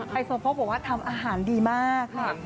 โซโพกบอกว่าทำอาหารดีมากค่ะ